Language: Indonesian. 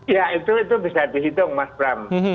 ya itu bisa dihitung mas bram